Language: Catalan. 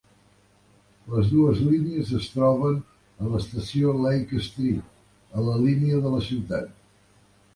Les dues línies es troben a l"estació Lake Street a la línia de la ciutat.